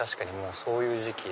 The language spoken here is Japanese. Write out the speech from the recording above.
そういう時期。